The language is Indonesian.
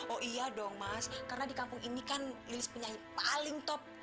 oh iya dong mas karena di kampung ini kan lilis penyanyi paling top